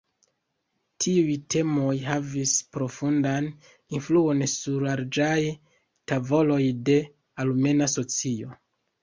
Tiuj temoj havis profundan influon sur larĝaj tavoloj de armena socio.